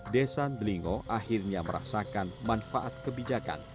desa andelingo akhirnya merasakan manfaat kebijakan